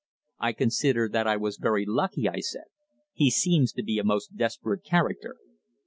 "I consider that I was very lucky," I said. "He seems to be a most desperate character."